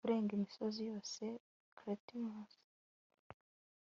Kurenga imigezi yose Clitumnus